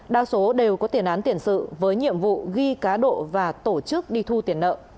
đa số đều có tiền án tiền sự với nhiệm vụ ghi cá độ và tổ chức đi thu tiền nợ